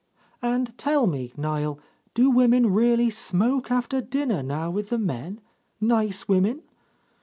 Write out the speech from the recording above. "And tell me, Niel, do women really smoke after dinner now with the men, nice women?